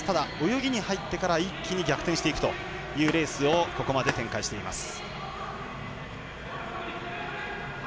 ただ、泳ぎに入ってから一気に逆転していくというレースをここまで展開しています。